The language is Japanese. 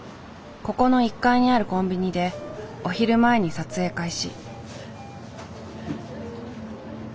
ここの１階にあるコンビニでお昼前に撮影開始。